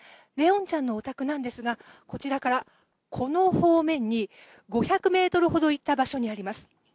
怜音ちゃんのお宅なんですがこちらからこの方面に５００ｍほど行った場所にあります。